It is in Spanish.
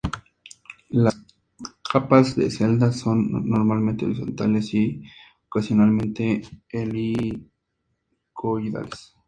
Las capas de celdas son normalmente horizontales y ocasionalmente helicoidales.